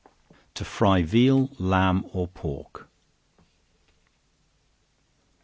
To Fry Veal, Lamb or Pork.